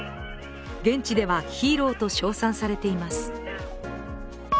現地では、ヒーローと称賛されています。